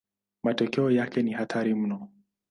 Matokeo yake ni hatari mno.